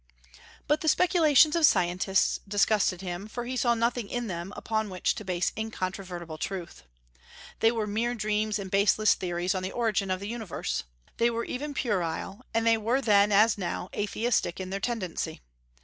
But the speculations of scientists disgusted him, for he saw nothing in them upon which to base incontrovertible truth. They were mere dreams and baseless theories on the origin of the universe. They were even puerile; and they were then, as now, atheistic in their tendency.